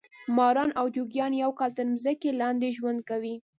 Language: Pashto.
ماران او جوګیان یو کال تر مځکې لاندې ژوند کوي.